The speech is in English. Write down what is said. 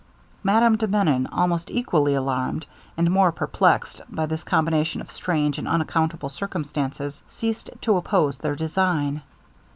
Madame de Menon almost equally alarmed, and more perplexed, by this combination of strange and unaccountable circumstances, ceased to oppose their design.